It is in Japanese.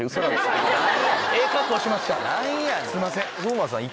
すいません。